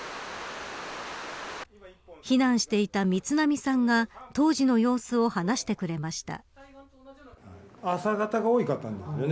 避難していた光浪さんが当時の様子を話してくれました。